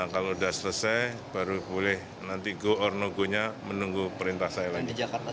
kalau sudah selesai baru boleh nanti go or no go nya menunggu perintah saya lagi